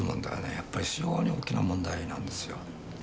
やっぱり非常に大きな問題なんですよ